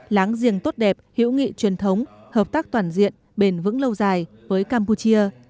láng giềng tốt đẹp hữu nghị truyền thống hợp tác toàn diện bền vững lâu dài với campuchia